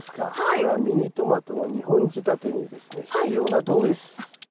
これはミニトマトの２本仕立てにですね必要な道具です。